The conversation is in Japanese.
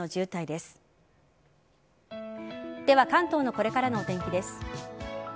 では関東のこれからのお天気です。